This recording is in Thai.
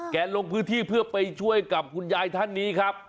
ลงพื้นที่เพื่อไปช่วยกับคุณยายท่านนี้ครับ